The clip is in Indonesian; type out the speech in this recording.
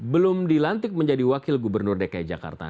belum dilantik menjadi wakil gubernur dki jakarta